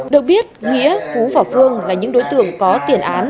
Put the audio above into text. được biết nghĩa phú và phương là những đối tượng có tiền án